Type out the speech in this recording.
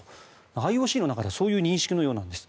ＩＯＣの中ではそういう認識のようなんです。